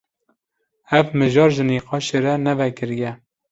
Ev mijar ji nîqaşê re ne vekirî ye.